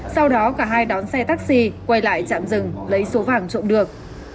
sau đó cả hai đón xe taxi quay lại trạm rừng lấy số vàng trộm được